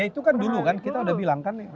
itu kan dulu kan kita udah bilang kan